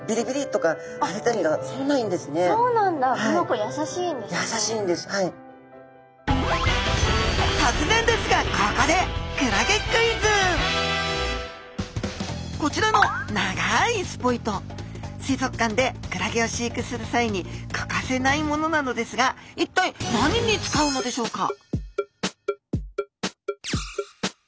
とつぜんですがここでこちらの水族館でクラゲを飼育する際に欠かせないものなのですがいったい何に使うのでしょうか？